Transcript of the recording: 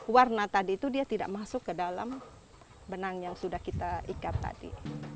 warna tadi itu dia tidak masuk ke dalam benang yang sudah kita ikat tadi